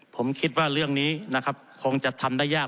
ผมคิดว่าเรื่องนี้นะครับคงจะทำได้ยาก